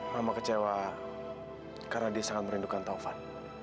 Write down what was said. mama kecewa karena dia sangat merindukan taufan